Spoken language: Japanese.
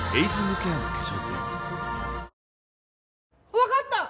わかった！